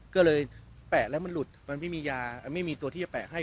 ก็เลยแปะแล้วมันหลุดมันไม่มียาไม่มีตัวที่จะแปะให้